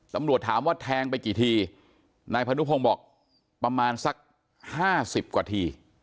ตำรวจถามว่าแทงไปกี่ทีนายพนุพงศ์บอกประมาณสักห้าสิบกว่าที